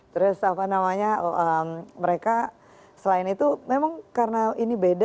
terus apa namanya mereka selain itu memang karena ini beda